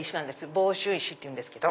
房州石っていうんですけど。